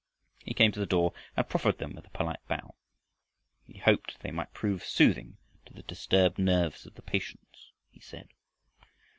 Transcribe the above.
He came to the door and proffered them with a polite bow. He hoped they might prove soothing to the disturbed nerves of the patients, he said.